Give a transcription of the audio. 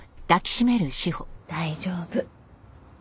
大丈夫。